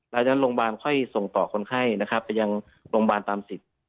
ไปยังโรงพยาบาลตามสิทธิ์